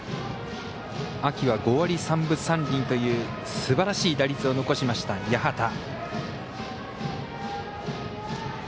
秋は５割３分３厘というすばらしい打率を残しました八幡。